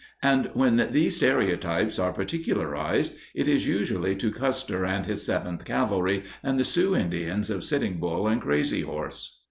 And when these stereotypes are particularized, it is usually to Custer and his 7th Cavalry and the Sioux Indians of Sitting Bull and Crazy Horse.